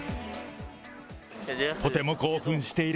とても興奮している。